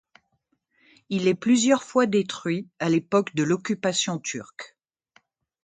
Il est plusieurs fois détruit à l'époque de l'occupation turque.